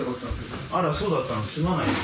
あらそうだったのすまないね。